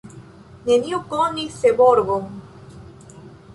Neniu konis Seborgon.